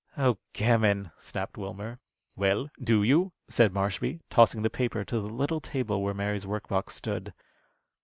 '" "Oh, gammon!" snapped Wilmer. "Well, do you?" said Marshby, tossing the paper to the little table where Mary's work box stood.